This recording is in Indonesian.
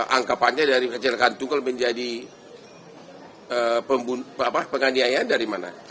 angkapannya dari kecelakaan tunggal menjadi penganiayaan dari mana